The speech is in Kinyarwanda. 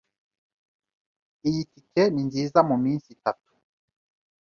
Iyi tike ni nziza muminsi itatu.